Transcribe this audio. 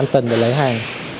anh tình để lấy hàng